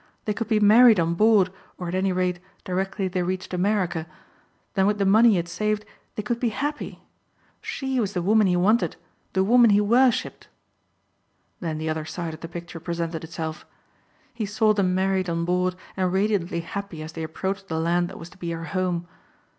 They could be married on board or at any rate directly they reached America. Then with the money he had saved they could be happy. She was the woman he wanted, the woman he worshipped. Then the other side of the picture presented itself. He saw them married on board and radiantly happy as they approached the land that was to be her home.